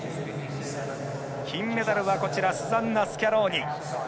金メダルはスザンナ・スキャローニ。